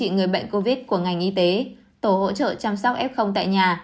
người bệnh covid của ngành y tế tổ hỗ trợ chăm sóc f tại nhà